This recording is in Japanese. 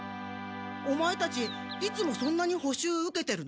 オマエたちいつもそんなにほ習受けてるの？